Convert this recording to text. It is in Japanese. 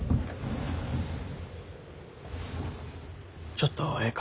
ちょっとええか？